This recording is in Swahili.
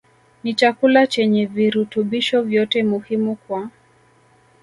ni chakula chenye virutubisho vyote muhimu kwa